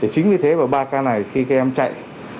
chính vì thế mà ba ca này khi các em chạy